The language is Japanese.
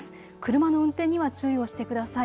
車の運転には注意をしてください。